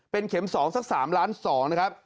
เป็นเข็ม๒สัก๓ล้าน๒นะครับ